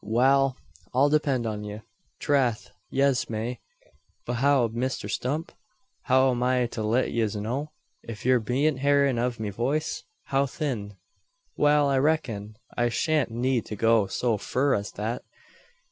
"Wal, I'll depend on ye." "Trath, yez may; but how Misther Stump? How am I to lit yez know, if you're beyant hearin' av me voice? How thin?" "Wal, I reck'n, I shan't need to go so fur as thet.